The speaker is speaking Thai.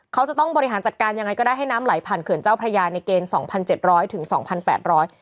เขาจะต้องบริหารจัดการยังไงก็ได้ให้น้ำไหลผ่านเขื่อนเจ้าพระยาในเกณฑ์สองพันเจ็ดร้อยถึงสองพันแปดร้อย